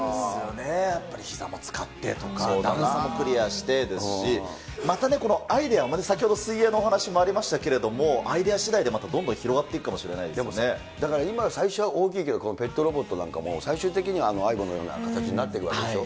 そうですよね、ひざも使ってとか、段差もクリアしてますし、また、アイデアを、先ほど、水泳のお話もありましたけれども、アイデア次第で、またどんどん広がっていだから、今、最初は大きいけど、ペットロボットなんかも最終的にはＡＩＢＯのような形になっていくわけでしょ。